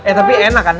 eh tapi enak kan